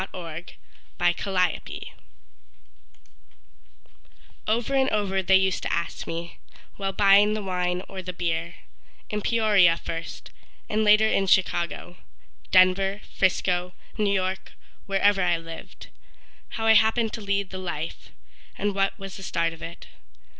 Aner Clute Over and over they used to ask me, While buying the wine or the beer, In Peoria first, and later in Chicago, Denver, Frisco, New York, wherever I lived How I happened to lead the life, And what was the start of it.